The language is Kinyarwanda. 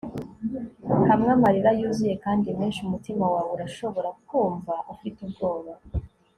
hamwe amarira yuzuye kandi menshi, umutima wawe urashobora kumva ufite ubwoba